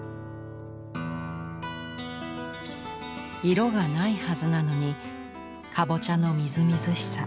色がないはずなのにカボチャのみずみずしさ